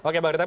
oke bang ritam